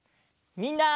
みんな！